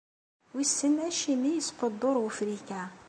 Wissen acimi yesquddur wufrik-a.